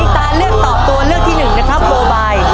น้ำตาเลือกตอบตัวเลือกที่๑นะครับโบบาย